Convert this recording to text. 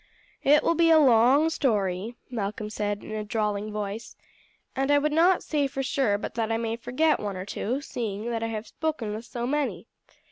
"It will be a long story," Malcolm said in a drawling voice, "and I would not say for sure but that I may forget one or two, seeing that I have spoken with so many.